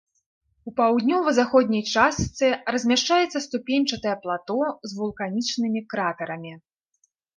У паўднёва-заходняй частцы размяшчаецца ступеньчатае плато з вулканічнымі кратэрамі.